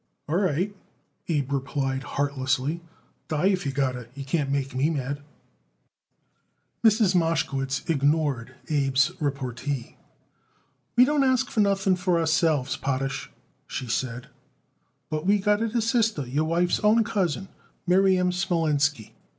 "All right," Abe replied heartlessly. "Die if you got to. You can't make me mad." Mrs. Mashkowitz ignored Abe's repartee. "We don't ask nothing for ourselves, Potash," she said, "but we got it a sister, your wife's own cousin, Miriam Smolinski.